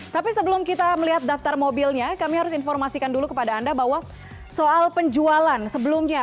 tapi sebelum kita melihat daftar mobilnya kami harus informasikan dulu kepada anda bahwa soal penjualan sebelumnya